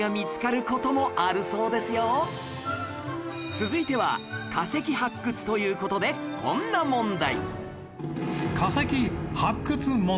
続いては化石発掘という事でこんな問題